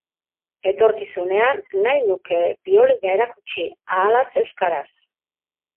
Etorkizunean, nahi nuke biolina erakutsi, ahalaz euskaraz.